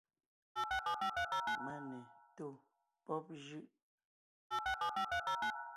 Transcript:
Mane tó pɔ́b jʉ́ʼ.